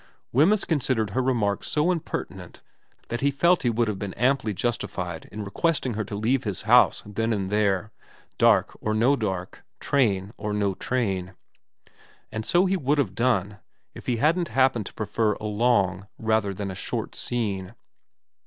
... Wemyss considered her remark so impertinent that he felt he would have been amply justified in requesting her to leave his house then and there, dark or no dark, train or no train. And so he would have done, if he hadn't happened to prefer a long rather than a short scene.